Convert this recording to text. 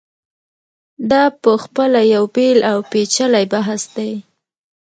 دا په خپله یو بېل او پېچلی بحث دی.